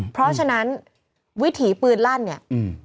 เพราะฉะนั้นวิถีปืนลั่นเนี่ยอืม